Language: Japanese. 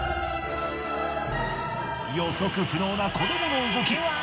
予測不能な子どもの動き。